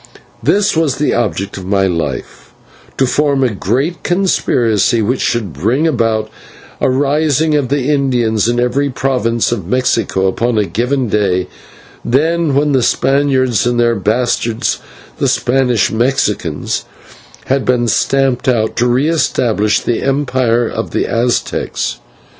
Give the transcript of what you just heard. This was the object of my life to form a great conspiracy, which should bring about a rising of the Indians in every province of Mexico upon a given day; then, when the Spaniards and their bastards, the Spanish Mexicans, had been stamped out, to re establish the Empire of the Aztecs.